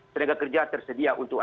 ternyata kerja tersedia untuk kita